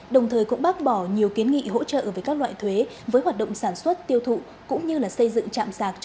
đồng thời cũng bác bỏ nhiều kiến nghị hỗ trợ về các loại thuế với hoạt động sản xuất tiêu thụ cũng như xây dựng chạm sạc